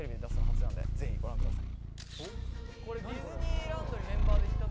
ぜひご覧ください。